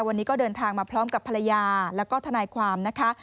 วันนี้ก็เดินทางมาพร้อมกับภรรยาแล้วก็ทนายความนะคะ